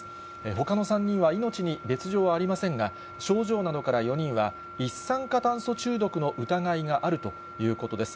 ほかの３人は命に別状はありませんが、症状などから４人は一酸化炭素中毒の疑いがあるということです。